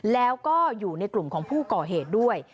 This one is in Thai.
แล้วก็อยู่ในกลุ่มของผู้ก่อเหตุด้วย